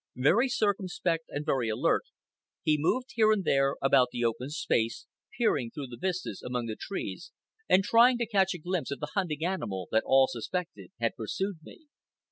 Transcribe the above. Very circumspect and very alert, he moved here and there about the open space, peering through the vistas among the trees and trying to catch a glimpse of the hunting animal that all suspected had pursued me.